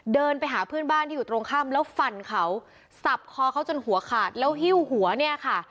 เดินไปหาเพื่อนบ้านที่อยู่ตรงข้ามแล้วฟันเขาสับคอเขาจนหัวขาดแล้วหิ้วหัวเนี่ยค่ะ